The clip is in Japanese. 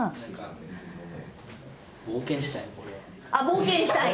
冒険したい？